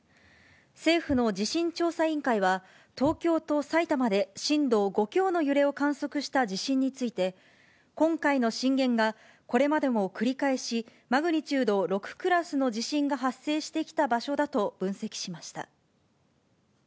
政府の地震調査委員会は、東京と埼玉で震度５強の揺れを観測した地震について、今回の震源がこれまでも繰り返しマグニチュード６クラスの地震が発生してきた場所だと分析しました。